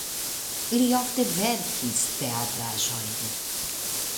Li ofte verkis teatraĵojn.